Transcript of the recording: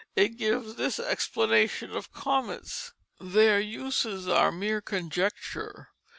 It gives this explanation of comets: "Their uses are mere conjecture.